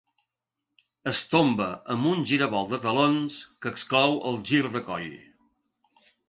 Es tomba amb un giravolt de talons que exclou el gir de coll.